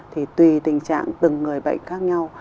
thì tùy tình trạng từng người bệnh khác nhau